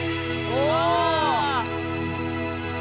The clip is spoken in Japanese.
お！